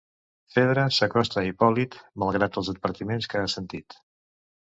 Fedra s'acosta a Hipòlit, malgrat els advertiments que ha sentit.